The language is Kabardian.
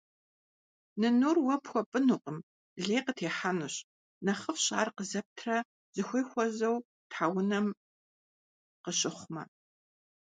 Нынур уэ пхуэпӀынукъым, лей къытехьэнущ. НэхъыфӀщ ар къызэптрэ зыхуей хуэзэу тхьэунэм къыщыхъумэ.